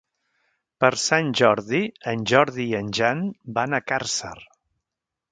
Per Sant Jordi en Jordi i en Jan van a Càrcer.